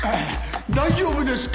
大丈夫ですか？